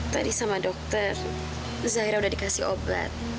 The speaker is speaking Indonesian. tadi sama dokter zahira sudah dikasih obat